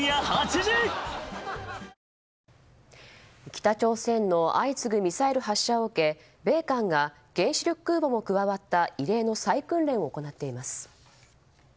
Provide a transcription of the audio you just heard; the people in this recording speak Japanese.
北朝鮮の相次ぐミサイル発射を受け米韓が原子力空母も加わった異例の再訓練を行っています。